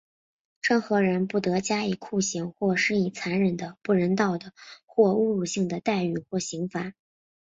任何人不得加以酷刑,或施以残忍的、不人道的或侮辱性的待遇或刑罚。